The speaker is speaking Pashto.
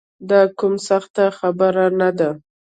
دا کومه سخته خبره نه ده.